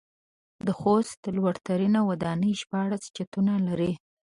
د خوست لوړ ترينه وداني شپاړس چتونه لري.